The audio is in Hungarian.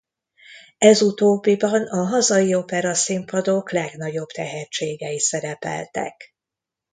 Ez utóbbiban a hazai operaszínpadok legnagyobb tehetségei szerepeltek.